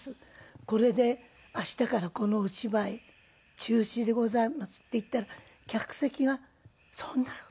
「これで明日からこのお芝居中止でございます」って言ったら客席が「そんな！